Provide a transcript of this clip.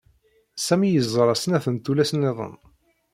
Sami yeẓra snat n tullas niḍen.